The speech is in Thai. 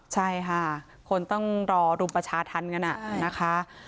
ใช่ค่ะคนต้องรอรุมประชาธรรมกันนะคะ